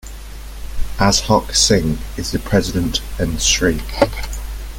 Ashok Singh is the president and Sri.